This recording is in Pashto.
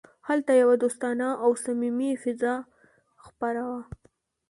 هلته یوه دوستانه او صمیمي فضا خپره وه